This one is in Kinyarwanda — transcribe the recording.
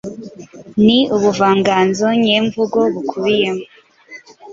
ni ubuvanganzo nyemvugo bukubiyemo